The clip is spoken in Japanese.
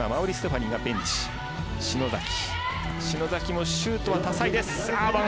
篠崎もシュートは多彩。